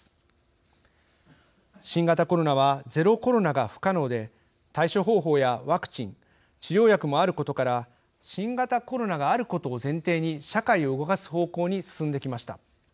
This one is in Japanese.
新型コロナはゼロコロナが不可能で対処方法やワクチン治療薬もあることから新型コロナがあることを前提に社会を動かす方向に進んできました。